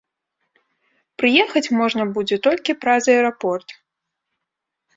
Прыехаць можна будзе толькі праз аэрапорт.